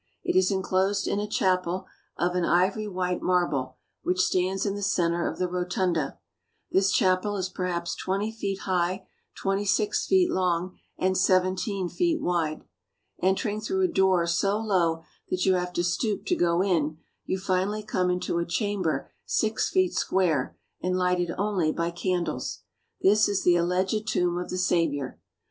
It is enclosed in a chapel of an ivory white mar ble, which stands in the centre of the rotunda. This chapel is perhaps twenty feet high, twenty six feet long, and seventeen feet wide. Entering through a door so low that you have to stoop to go in, you finally come into a chamber six feet square and lighted only by can dles. This is the alleged tomb of the Saviour.